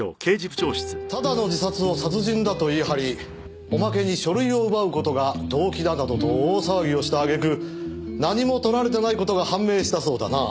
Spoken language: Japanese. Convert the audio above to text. ただの自殺を殺人だと言い張りおまけに書類を奪う事が動機だなどと大騒ぎをした揚げ句何も盗られてない事が判明したそうだな。